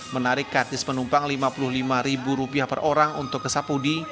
menarik kartis penumpang rp lima puluh lima per orang untuk ke sapudi